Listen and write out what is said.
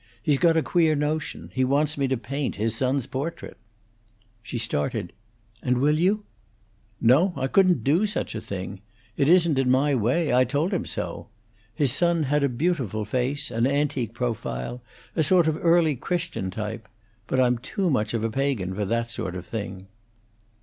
He's got a queer notion. He wants me to paint his son's portrait." She started. "And will you " "No, I couldn't do such a thing. It isn't in my way. I told him so. His son had a beautiful face an antique profile; a sort of early Christian type; but I'm too much of a pagan for that sort of thing."